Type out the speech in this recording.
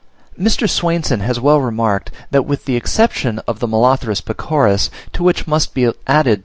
Mr. Swainson has well remarked, that with the exception of the Molothrus pecoris, to which must be added the M.